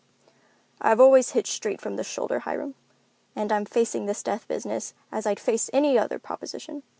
"I have always hit straight from the shoulder, Hiram, and I'm facing this death business as I'd face any other proposition.